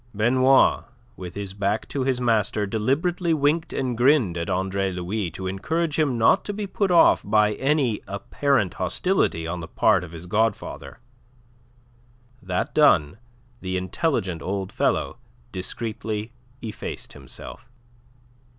Benoit, with his back to his master, deliberately winked and grinned at Andre Louis to encourage him not to be put off by any apparent hostility on the part of his godfather. That done, the intelligent old fellow discreetly effaced himself.